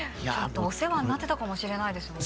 お世話になってたかもしれないですよね。